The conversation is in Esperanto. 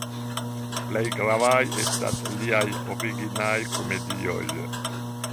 Plej gravaj estas liaj originaj komedioj.